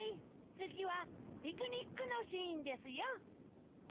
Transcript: つぎはピクニックのシーンですよ！